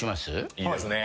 いいですね。